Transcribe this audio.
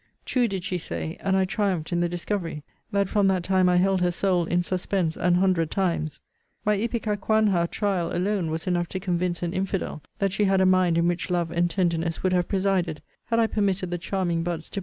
True did she say, and I triumphed in the discovery, that from that time I held her soul in suspense an hundred times. My ipecacuanha trial alone was enough to convince an infidel that she had a mind in which love and tenderness would have presided, had I permitted the charming buds to put forth and blow.